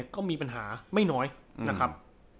ก็มีปัญหาไม่น้อยนะครับ